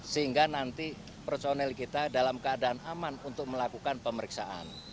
sehingga nanti personel kita dalam keadaan aman untuk melakukan pemeriksaan